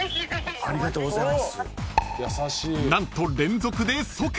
ありがとうございます！